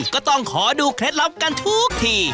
ก็ต้องขอดูเคล็ดลับกันทุกที